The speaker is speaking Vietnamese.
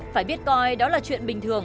phải biết coi đó là chuyện bình thường